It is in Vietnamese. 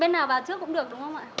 bên nào vào trước cũng được đúng không ạ